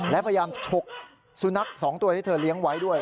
และพยายามฉกสุนัข๒ตัวที่เธอเลี้ยงไว้ด้วย